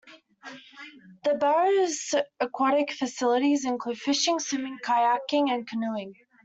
The Barrow's aquatic facilities include fishing, swimming, kayaking and canoeing.